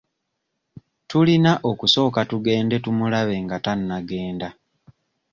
Tulina okusooka tugende tumulabe nga tannagenda.